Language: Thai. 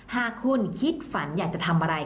หากคุณคิดฝันอยากจะทำอะไร